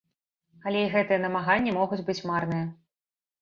Але і гэтыя намаганні могуць быць марныя.